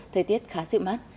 thời tiết khá dịu mát